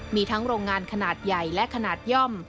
มีทั้งโรงงานขนาดใหญ่และขนาดย่อม